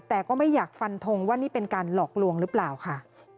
แต่ก็ไม่อยากฟันทงว่านี่เป็นการหลอกลวงหรือเปล่าค่ะ